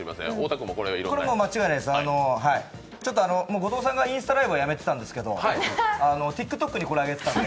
後藤さんがインスタライブをやめてたんですけど、ＴｉｋＴｏｋにこれを上げてたんで。